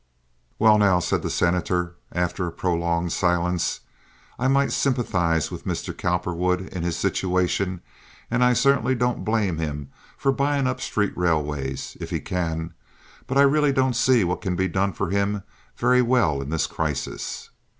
"Well, now," said the Senator, after a prolonged silence, "I might sympathize with Mr. Cowperwood in his situation, and I certainly don't blame him for buying up street railways if he can; but I really don't see what can be done for him very well in this crisis.